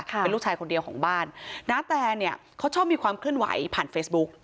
เป็นลูกชายคนเดียวของบ้านนาแตเนี่ยเขาชอบมีความเคลื่อนไหวผ่านเฟซบุ๊ก